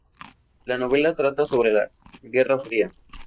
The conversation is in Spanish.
La novela trata sobre la Guerra Fría.